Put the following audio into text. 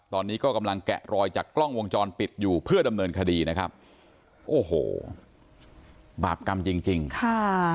ตอนนี้ก็กำลังแกะรอยจากกล้องวงจรปิดอยู่เพื่อดำเนินคดีนะครับโอ้โหบาปกรรมจริงจริงค่ะ